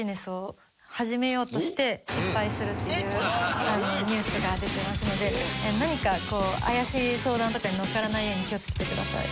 っていうニュースが出ていますので何かこう怪しい相談とかにのっからないように気をつけてください。